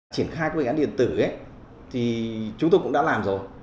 triển khai bệnh án điện tử ấy thì chúng tôi cũng đã làm rồi